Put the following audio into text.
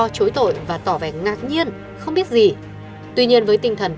đi theo chúng ta